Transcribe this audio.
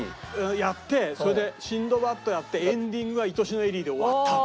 やってそれで『シンドバッド』やってエンディングは『いとしのエリー』で終わった。